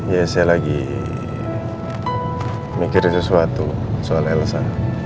ya saya lagi mikir sesuatu soal elsa